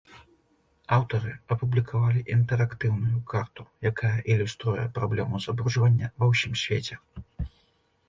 Аўтары апублікавалі інтэрактыўную карту, якая ілюструе праблему забруджвання ва ўсім свеце.